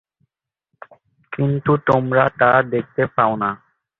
কিন্তু তোমরা তা দেখতে পাওনা।